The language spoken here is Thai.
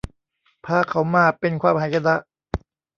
พาเขามาเป็นความหายนะ